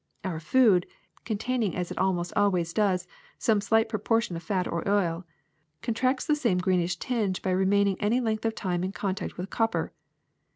Our food, containing as it almost always does some slight proportion of fat or oil, contracts the same greenish tinge by remaining any length of time in contact with copper.